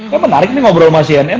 ya menarik nih ngobrol sama cnn